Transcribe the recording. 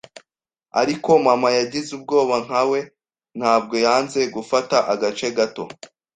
Ariko mama yagize ubwoba nka we, ntabwo yanze gufata agace gato